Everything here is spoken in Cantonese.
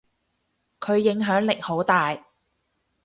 佢影響力好大。